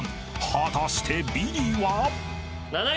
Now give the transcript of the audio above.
［果たしてビリは？］